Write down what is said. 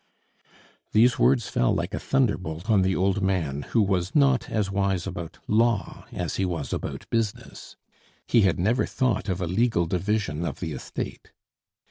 These words fell like a thunderbolt on the old man, who was not as wise about law as he was about business. He had never thought of a legal division of the estate.